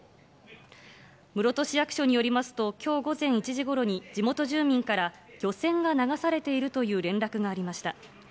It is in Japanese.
室戸市役所によりますと、きょう午前１時ごろに地元住民から、漁船が流されているという連絡がありました。